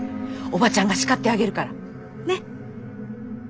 おばちゃんが叱ってあげるから。ね。